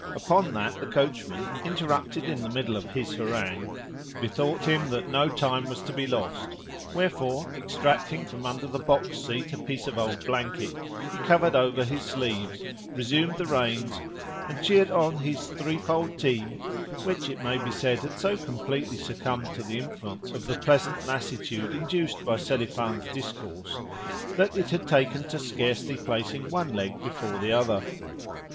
Upon that the coachman, interrupted in the middle of his harangue, bethought him that no time was to be lost; wherefore, extracting from under the box seat a piece of old blanket, he covered over his sleeves, resumed the reins, and cheered on his threefold team (which, it may be said, had so completely succumbed to the influence of the pleasant lassitude induced by Selifan's discourse that it had taken to scarcely placing one leg before the other).